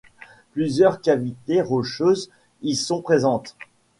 Plusieurs cavités rocheuses y sont présentes.